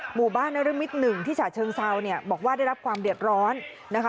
หมู่บ้านนรมิตร๑ที่ฉะเชิงเซาเนี่ยบอกว่าได้รับความเดือดร้อนนะคะ